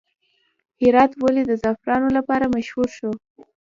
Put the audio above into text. هرات ولې د زعفرانو لپاره مشهور شو؟